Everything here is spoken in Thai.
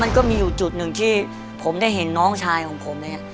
มันก็มีอยู่จุดหนึ่งที่ผมได้เห็นน้องชายของผมเนี่ย